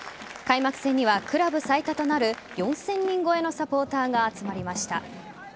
開幕戦にはクラブ最多となる４０００人超えのサポーターが集まりました。